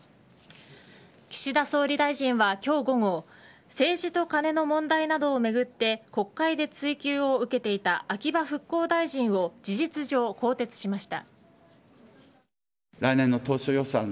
岸田総理大臣は今日、午後政治とカネの問題などをめぐって国会で追及を受けていた秋葉復興大臣を事実上、更迭しました。